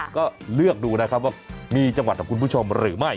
ก็เลือกดูนะครับว่ามีจังหวัดของคุณผู้ชมหรือไม่